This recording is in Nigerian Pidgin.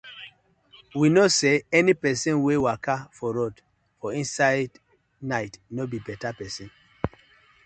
We kno say any pesin wey waka for road for inside inside night no bi beta pesin.